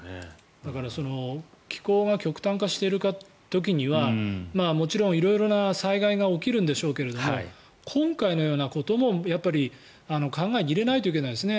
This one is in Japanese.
だから、気候が極端化している時にはもちろん色々な災害が起きるんでしょうが今回のようなこともやっぱり考えに入れないといけないですね。